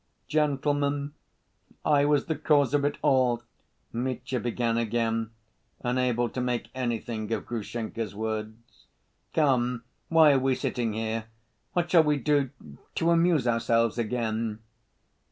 "Gentlemen, I was the cause of it all," Mitya began again, unable to make anything of Grushenka's words. "Come, why are we sitting here? What shall we do ... to amuse ourselves again?"